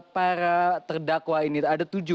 para terdakwa ini ada tujuh